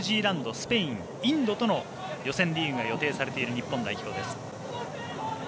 スペイン、インドとの予選リーグが予定されている日本代表です。